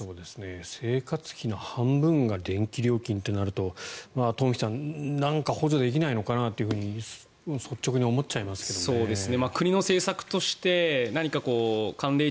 生活費の半分が電気料金となると東輝さんなんか補助できないのかなって率直に思っちゃいますけどね。